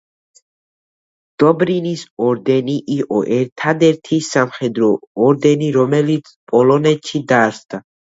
დობრინის ორდენი იყო ერთადერთი სამხედრო ორდენი, რომელიც პოლონეთში დაარსდა.